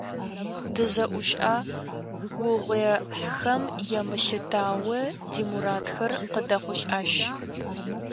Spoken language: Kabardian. ДызэӏущӀа гугъуехьхэм емылъытауэ, ди мурадхэр къыдэхъулӏащ.